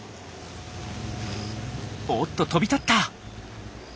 おっと飛び立った！